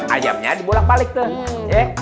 ayamnya dibolak balik tuh